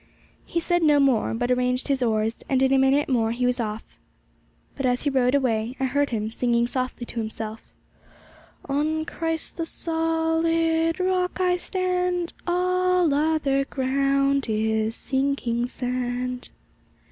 He said no more, but arranged his oars, and in a minute more he was off. But as he rowed away, I heard, him singing softly to himself: 'On Christ, the solid Rock, I stand, All other ground is sinking sand.'